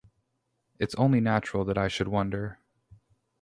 It's only natural that I should wonder.